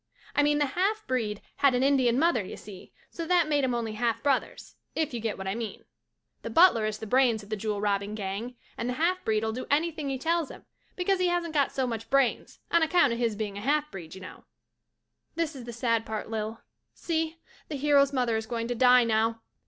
I mean the half breed had an Indian mother, y'see, so that made 'em only half brothers — if you get what I mean. MAISIE AT THE MOVIES 7 The butler is the brains of the jewel robbing gang and the half breed'll do anything he tells him because he hasn't got so much brains on account of his being a half breed, y'know. This is the sad part, Lil — see, the hero's mother is going to die now.